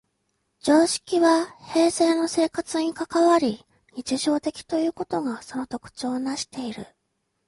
常識は平生の生活に関わり、日常的ということがその特徴をなしている。